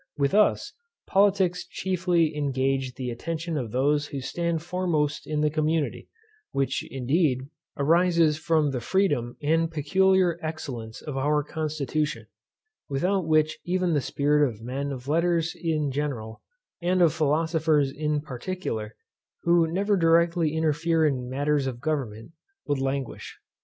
With us, politics chiefly engage the attention of those who stand foremost in the community, which, indeed, arises from the freedom and peculiar excellence of our constitution, without which even the spirit of men of letters in general, and of philosophers in particular, who never directly interfere in matters of government, would languish.